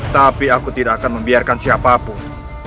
tapi aku tidak akan membiarkan siapapun